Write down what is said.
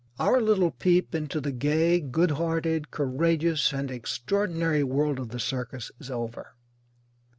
Our little peep into the gay, good hearted, courageous, and extraordinary world of the circus is over.